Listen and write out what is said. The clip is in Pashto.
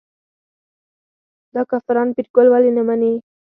دا کافران پیرګل ولې نه مني.